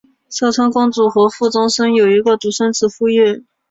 寿春公主和傅忠生有一个独生子傅彦。